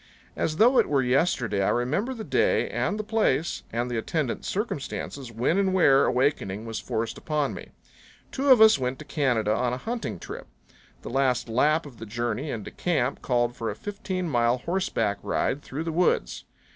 As though it were yesterday I remember the day and the place and the attendant circumstances when and where awakening was forced upon me. Two of us went to Canada on a hunting trip. The last lap of the journey into camp called for a fifteen mile horseback ride through the woods.